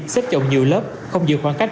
xếp trộn nhiều lớp không dừng khoảng cách